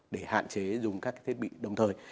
để hạn chế dùng các thiết bị đồng thời